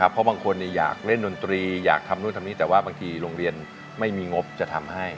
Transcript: เพราะบางคนอยากเล่นดนตรีอยากทำนู่นทำนี่แต่ว่าบางทีโรงเรียนไม่มีงบจะทำให้